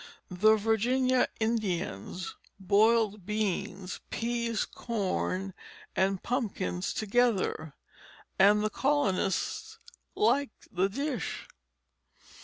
The Virginia Indians boiled beans, peas, corn, and pumpkins together, and the colonists liked the dish.